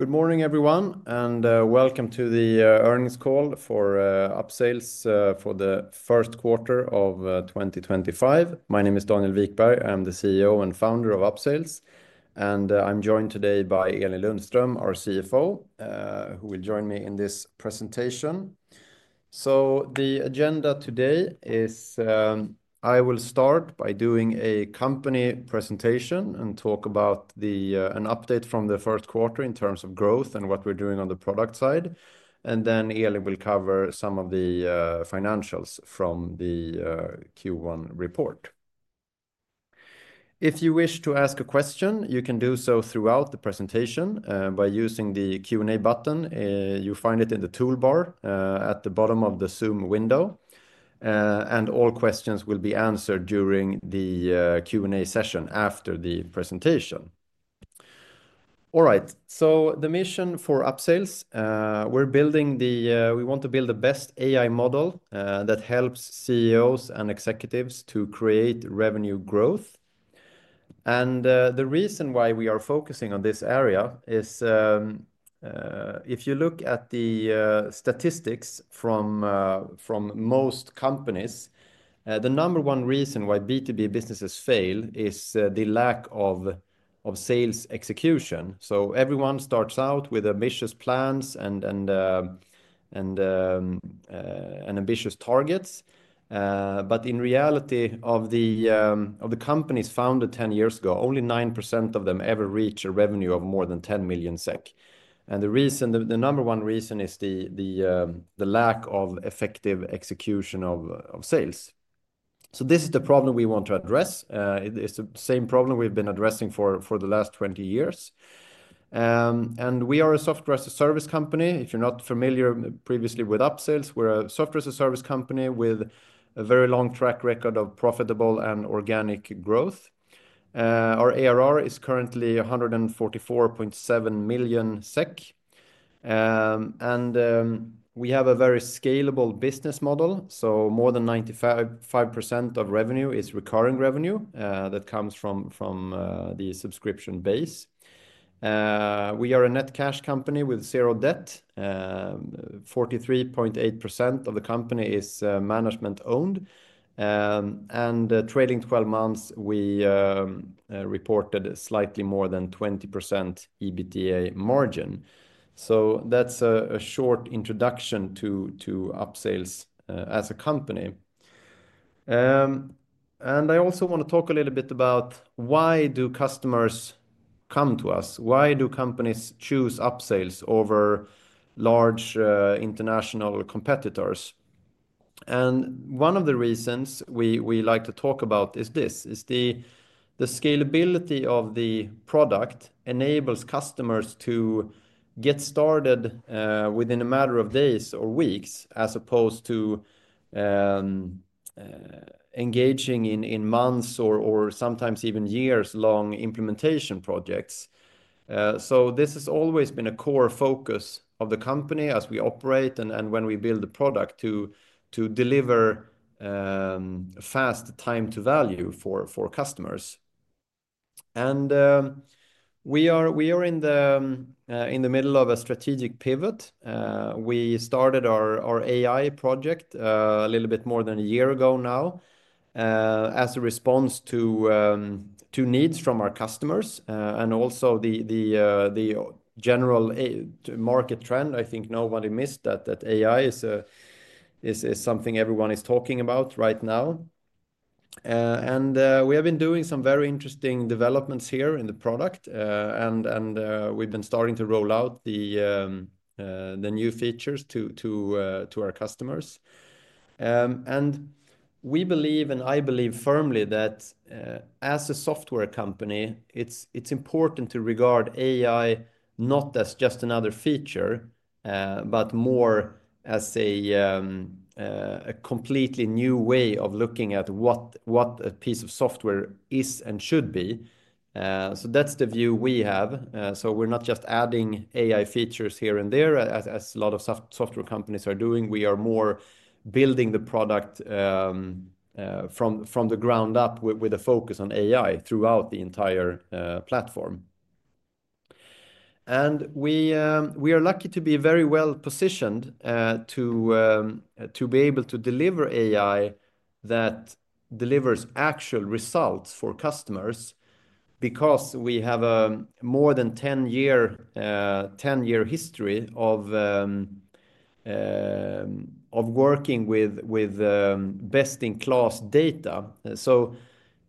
Good morning, everyone, and welcome to the earnings call for Upsales for the first quarter of 2025. My name is Daniel Wikberg. I'm the CEO and founder of Upsales, and I'm joined today by Elin Lundström, our CFO, who will join me in this presentation. The agenda today is I will start by doing a company presentation and talk about an update from the first quarter in terms of growth and what we're doing on the product side. Elin will cover some of the financials from the Q1 report. If you wish to ask a question, you can do so throughout the presentation by using the Q&A button. You find it in the toolbar at the bottom of the Zoom window, and all questions will be answered during the Q&A session after the presentation. All right, so the mission for Upsales, we're building the—we want to build the best AI model that helps CEOs and executives to create revenue growth. The reason why we are focusing on this area is if you look at the statistics from most companies, the number one reason why B2B businesses fail is the lack of sales execution. Everyone starts out with ambitious plans and ambitious targets. In reality, of the companies founded 10 years ago, only 9% of them ever reach a revenue of more than 10 million SEK. The reason, the number one reason, is the lack of effective execution of sales. This is the problem we want to address. It's the same problem we've been addressing for the last 20 years. We are a software as a service company. If you're not familiar previously with Upsales, we're a software as a service company with a very long track record of profitable and organic growth. Our ARR is currently 144.7 million SEK. We have a very scalable business model. More than 95% of revenue is recurring revenue that comes from the subscription base. We are a net cash company with zero debt. 43.8% of the company is management-owned. In the trailing 12 months, we reported slightly more than 20% EBITDA margin. That's a short introduction to Upsales as a company. I also want to talk a little bit about why do customers come to us? Why do companies choose Upsales over large international competitors? One of the reasons we like to talk about is this: the scalability of the product enables customers to get started within a matter of days or weeks, as opposed to engaging in months or sometimes even years-long implementation projects. This has always been a core focus of the company as we operate and when we build the product to deliver fast time-to-value for customers. We are in the middle of a strategic pivot. We started our AI project a little bit more than a year ago now as a response to needs from our customers and also the general market trend. I think nobody missed that AI is something everyone is talking about right now. We have been doing some very interesting developments here in the product, and we've been starting to roll out the new features to our customers. We believe, and I believe firmly, that as a software company, it's important to regard AI not as just another feature, but more as a completely new way of looking at what a piece of software is and should be. That is the view we have. We are not just adding AI features here and there, as a lot of software companies are doing. We are more building the product from the ground up with a focus on AI throughout the entire platform. We are lucky to be very well positioned to be able to deliver AI that delivers actual results for customers because we have a more than 10-year history of working with best-in-class data.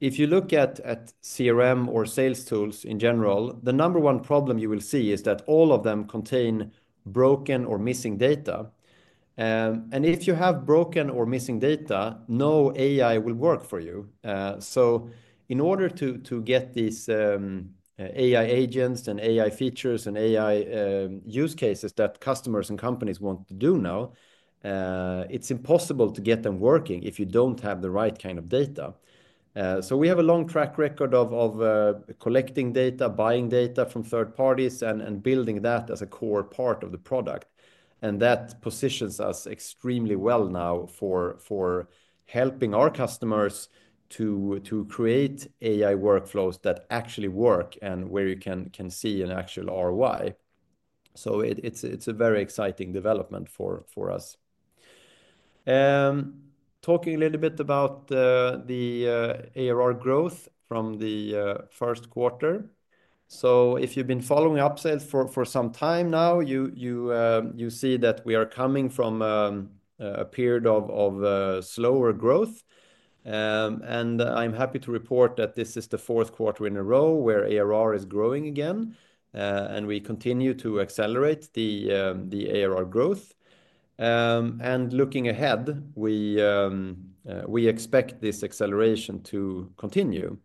If you look at CRM or sales tools in general, the number one problem you will see is that all of them contain broken or missing data. If you have broken or missing data, no AI will work for you. In order to get these AI agents and AI features and AI use cases that customers and companies want to do now, it's impossible to get them working if you don't have the right kind of data. We have a long track record of collecting data, buying data from third parties, and building that as a core part of the product. That positions us extremely well now for helping our customers to create AI workflows that actually work and where you can see an actual ROI. It's a very exciting development for us. Talking a little bit about the ARR growth from the first quarter, if you've been following Upsales for some time now, you see that we are coming from a period of slower growth. I'm happy to report that this is the fourth quarter in a row where ARR is growing again. We continue to accelerate the ARR growth. Looking ahead, we expect this acceleration to continue.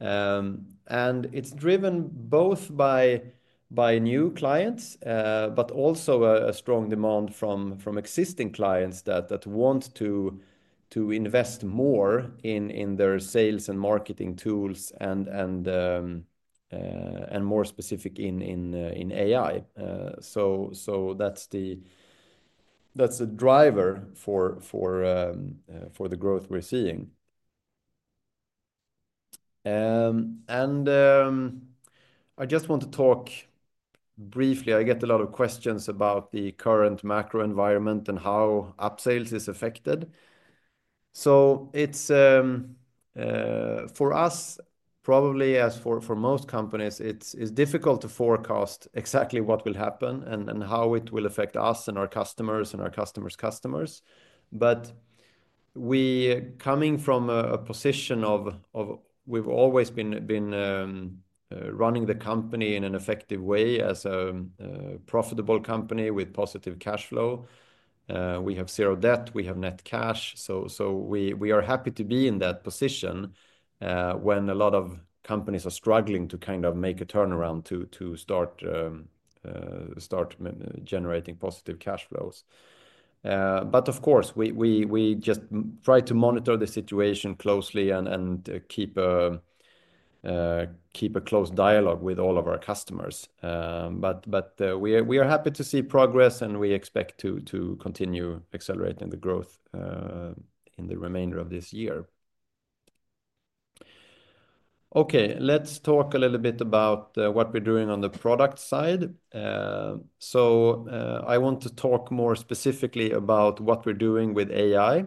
It's driven both by new clients, but also a strong demand from existing clients that want to invest more in their sales and marketing tools and more specifically in AI. That's the driver for the growth we're seeing. I just want to talk briefly. I get a lot of questions about the current macro environment and how Upsales is affected. For us, probably as for most companies, it's difficult to forecast exactly what will happen and how it will affect us and our customers and our customers' customers. But coming from a position of we've always been running the company in an effective way as a profitable company with positive cash flow. We have zero debt. We have net cash. We are happy to be in that position when a lot of companies are struggling to kind of make a turnaround to start generating positive cash flows. Of course, we just try to monitor the situation closely and keep a close dialogue with all of our customers. We are happy to see progress, and we expect to continue accelerating the growth in the remainder of this year. Okay, let's talk a little bit about what we're doing on the product side. I want to talk more specifically about what we're doing with AI.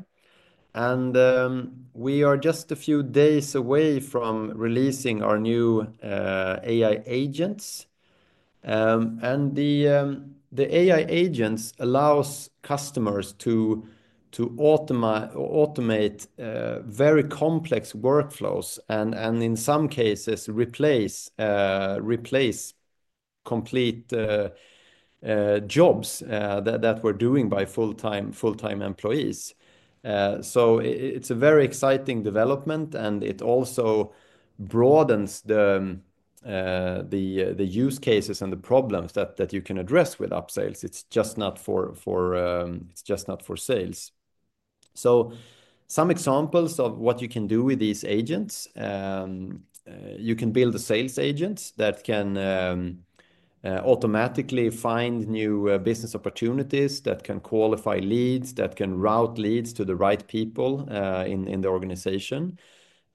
We are just a few days away from releasing our new AI agents. The AI agents allow customers to automate very complex workflows and, in some cases, replace complete jobs that were being done by full-time employees. It is a very exciting development, and it also broadens the use cases and the problems that you can address with Upsales. It is just not for sales. Some examples of what you can do with these agents: you can build a sales agent that can automatically find new business opportunities, that can qualify leads, that can route leads to the right people in the organization.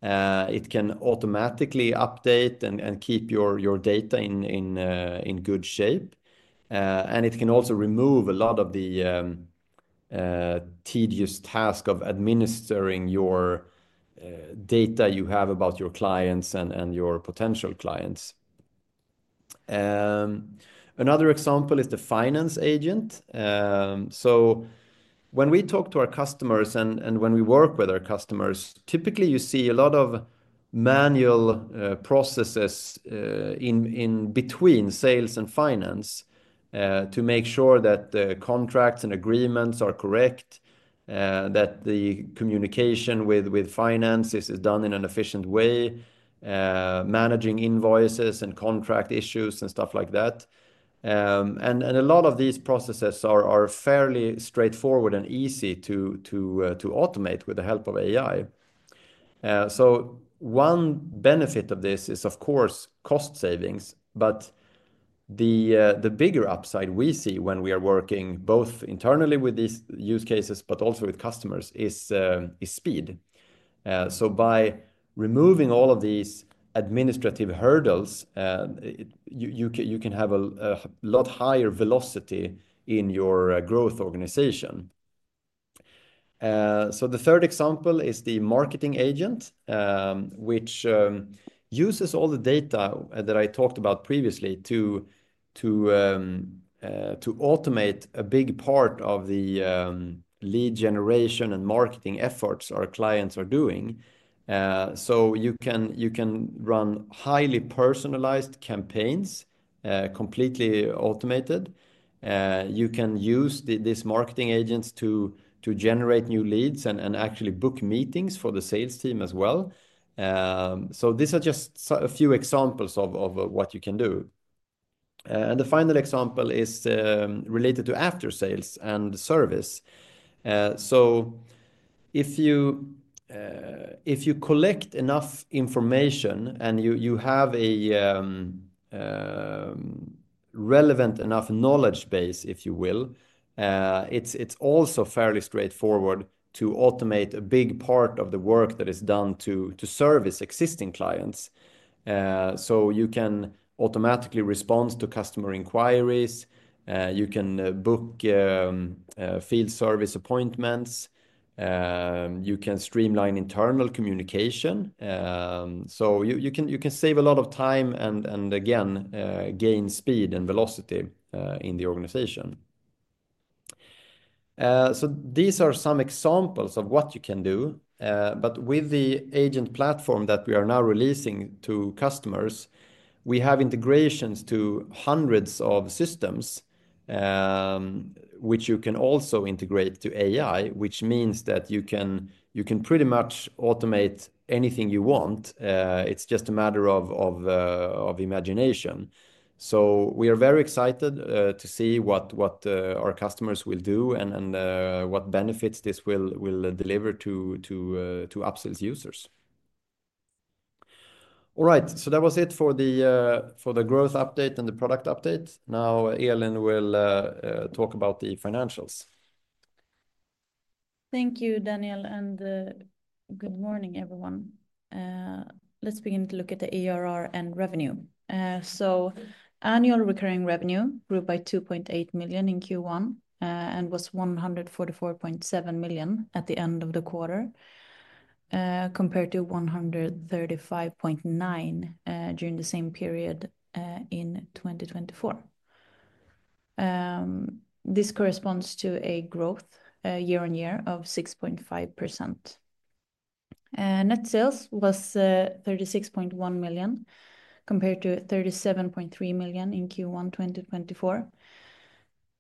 It can automatically update and keep your data in good shape. It can also remove a lot of the tedious task of administering your data you have about your clients and your potential clients. Another example is the finance agent. When we talk to our customers and when we work with our customers, typically you see a lot of manual processes in between sales and finance to make sure that the contracts and agreements are correct, that the communication with finance is done in an efficient way, managing invoices and contract issues and stuff like that. A lot of these processes are fairly straightforward and easy to automate with the help of AI. One benefit of this is, of course, cost savings. The bigger upside we see when we are working both internally with these use cases, but also with customers, is speed. By removing all of these administrative hurdles, you can have a lot higher velocity in your growth organization. The third example is the marketing agent, which uses all the data that I talked about previously to automate a big part of the lead generation and marketing efforts our clients are doing. You can run highly personalized campaigns, completely automated. You can use this marketing agent to generate new leads and actually book meetings for the sales team as well. These are just a few examples of what you can do. The final example is related to after-sales and service. If you collect enough information and you have a relevant enough knowledge base, if you will, it's also fairly straightforward to automate a big part of the work that is done to service existing clients. You can automatically respond to customer inquiries. You can book field service appointments. You can streamline internal communication. You can save a lot of time and, again, gain speed and velocity in the organization. These are some examples of what you can do. With the agent platform that we are now releasing to customers, we have integrations to hundreds of systems, which you can also integrate to AI, which means that you can pretty much automate anything you want. It's just a matter of imagination. We are very excited to see what our customers will do and what benefits this will deliver to Upsales users. All right, that was it for the growth update and the product update. Now, Elin will talk about the financials. Thank you, Daniel, and good morning, everyone. Let's begin to look at the ARR and revenue. Annual recurring revenue grew by 2.8 million in Q1 and was 144.7 million at the end of the quarter, compared to 135.9 million during the same period in 2024. This corresponds to a growth year-on-year of 6.5%. Net sales was 36.1 million compared to 37.3 million in Q1 2024.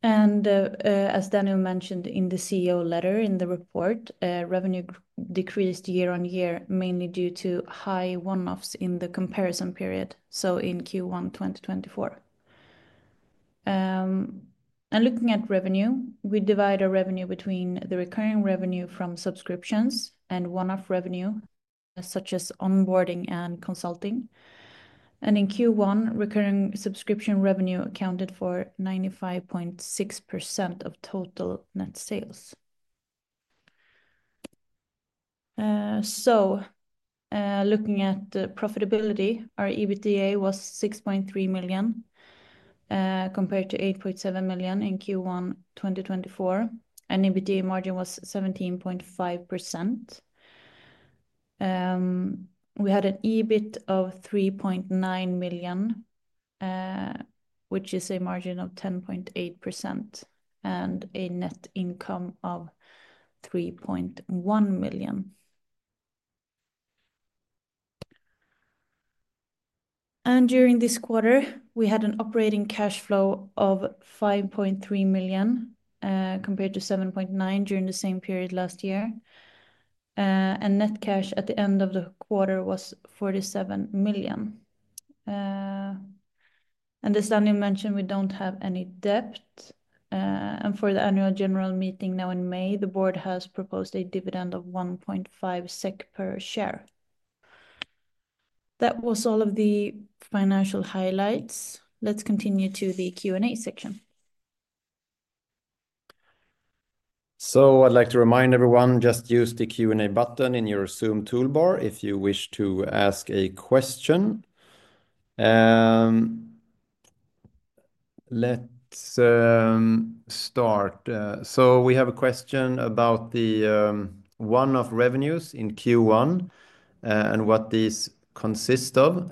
As Daniel mentioned in the CEO letter in the report, revenue decreased year-on-year mainly due to high one-offs in the comparison period, in Q1 2024. Looking at revenue, we divide our revenue between the recurring revenue from subscriptions and one-off revenue, such as onboarding and consulting. In Q1, recurring subscription revenue accounted for 95.6% of total net sales. Looking at profitability, our EBITDA was 6.3 million compared to 8.7 million in Q1 2024. EBITDA margin was 17.5%. We had an EBIT of 3.9 million, which is a margin of 10.8%, and a net income of 3.1 million. During this quarter, we had an operating cash flow of 5.3 million compared to 7.9 million during the same period last year. Net cash at the end of the quarter was 47 million. As Daniel mentioned, we do not have any debt. For the annual general meeting now in May, the board has proposed a dividend of 1.5 SEK per share. That was all of the financial highlights. Let's continue to the Q&A section. I would like to remind everyone, just use the Q&A button in your Zoom toolbar if you wish to ask a question. Let's start. We have a question about the one-off revenues in Q1 and what these consist of.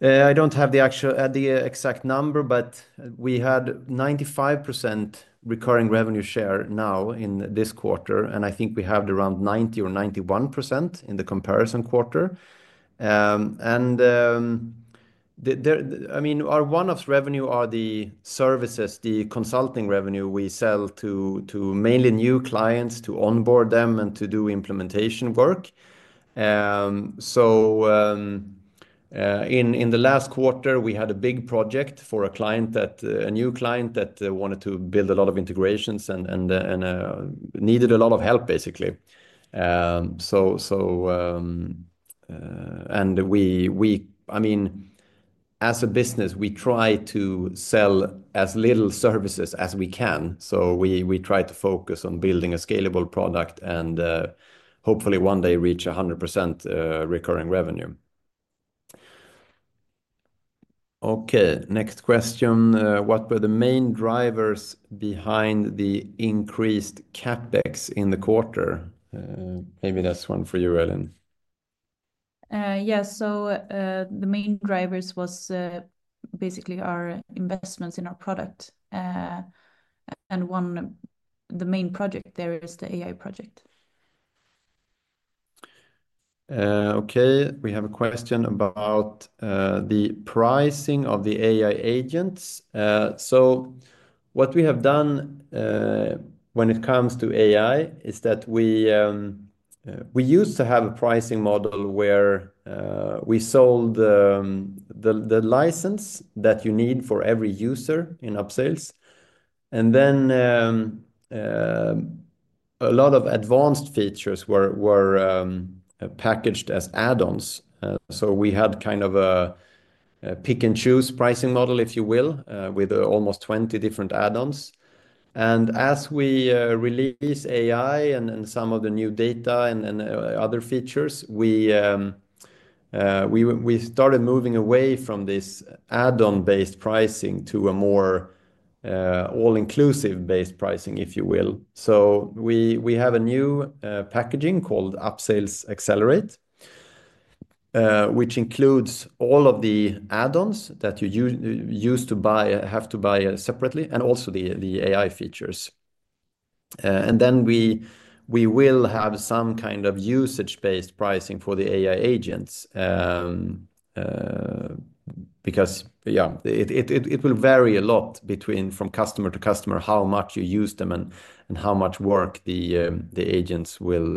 I don't have the exact number, but we had 95% recurring revenue share now in this quarter. I think we have around 90% or 91% in the comparison quarter. I mean, our one-off revenue are the services, the consulting revenue we sell to mainly new clients to onboard them and to do implementation work. In the last quarter, we had a big project for a new client that wanted to build a lot of integrations and needed a lot of help, basically. I mean, as a business, we try to sell as little services as we can. We try to focus on building a scalable product and hopefully one day reach 100% recurring revenue. Okay, next question. What were the main drivers behind the increased CapEx in the quarter? Maybe that's one for you, Elin. Yeah, so the main drivers was basically our investments in our product. The main project there is the AI project. Okay, we have a question about the pricing of the AI agents. What we have done when it comes to AI is that we used to have a pricing model where we sold the license that you need for every user in Upsales. Then a lot of advanced features were packaged as add-ons. We had kind of a pick-and-choose pricing model, if you will, with almost 20 different add-ons. As we release AI and some of the new data and other features, we started moving away from this add-on-based pricing to a more all-inclusive-based pricing, if you will. We have a new packaging called Upsales Accelerate, which includes all of the add-ons that you used to have to buy separately and also the AI features. We will have some kind of usage-based pricing for the AI agents because, yeah, it will vary a lot from customer to customer how much you use them and how much work the agents will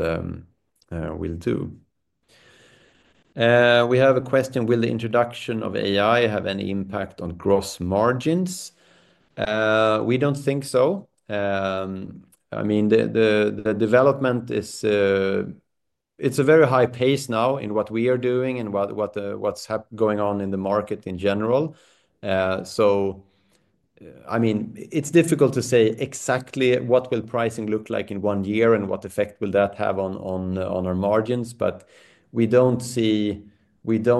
do. We have a question. Will the introduction of AI have any impact on gross margins? We do not think so. I mean, the development, it is a very high pace now in what we are doing and what is going on in the market in general. I mean, it is difficult to say exactly what will pricing look like in one year and what effect will that have on our margins. We do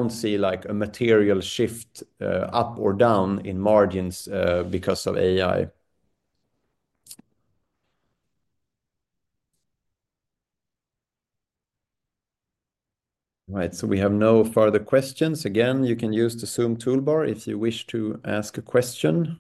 not see a material shift up or down in margins because of AI. All right, so we have no further questions. Again, you can use the Zoom toolbar if you wish to ask a question.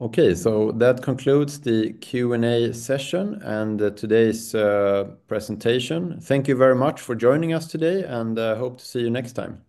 Okay, so that concludes the Q&A session and today's presentation. Thank you very much for joining us today, and I hope to see you next time.